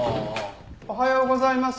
おはようございます。